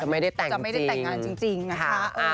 จะไม่ได้แต่งงานจริงนะคะ